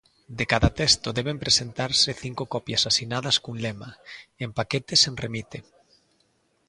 De cada texto deben presentarse cinco copias asinadas cun lema, en paquete sen remite.